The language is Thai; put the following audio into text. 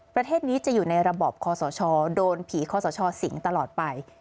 ประเทศนี้จะอยู่ในระบอบคอสชโดนผีคอสชสิงตลอดไป